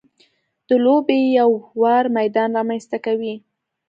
د لوبې یو ه وار میدان رامنځته کوي.